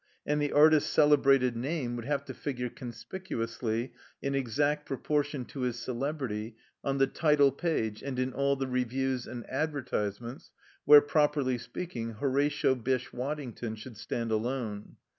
And the artist's celebrated name would have to figure conspicuously, in exact proportion to his celebrity, on the title page and in all the reviews and advertisements where, properly speaking, Horatio Bysshe Waddington should stand alone.